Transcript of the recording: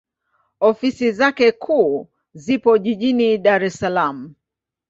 Ofisi zake kuu zipo Jijini Dar es Salaam.